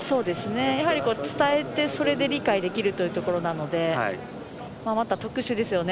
やはり伝えて、理解できるというところなのでまた特殊ですよね。